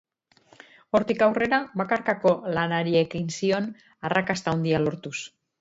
Hortik aurrera bakarkako lanari ekin zion, arrakasta handia lortuz.